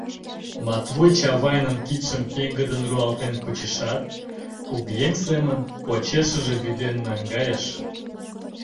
Матвуй Чавайнын кидшым пеҥгыдын руалтен кучышат, кугыеҥ семын почешыже вӱден наҥгайыш.